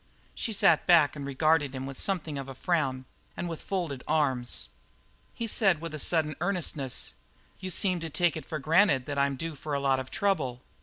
She sat back and regarded him with something of a frown and with folded arms. He said with a sudden earnestness: "You seem to take it for granted that I'm due for a lot of trouble."